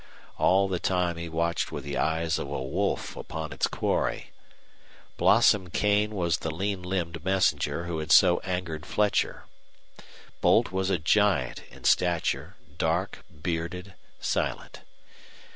All the time he watched with the eyes of a wolf upon its quarry. Blossom Kane was the lean limbed messenger who had so angered Fletcher. Boldt was a giant in stature, dark, bearded, silent.